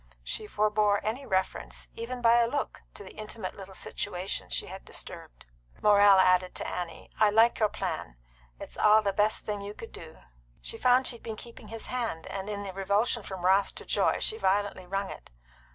She forbore any reference, even by a look, to the intimate little situation she had disturbed. Morrell added to Annie: "I like your plan. It's the best thing you could do." She found she had been keeping his hand, and in the revulsion from wrath to joy she violently wrung it.